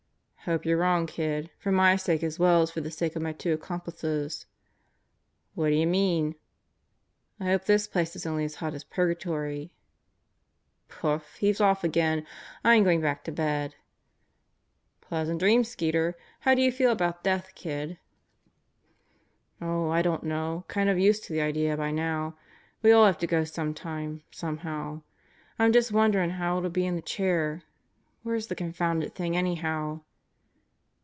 "Hope you're wrong, kid. For my sake as well as for the sake of my two accomplices." "What d'ya mean?" "I hope this place is only as hot as Purgatory." "Poof I He's off again. I'm going back to bed." "Pleasant dreams, Skeeter. ... How do you feel about death, kid?" "Oh, I don't know. Kinda used to the idea by now. We all have to go some time, somehow. I'm just wonderin' how it'll be in the chair. Where's the confounded thing anyhow?"